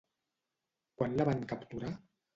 Quan la van capturar?